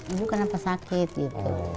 ibu kenapa sakit gitu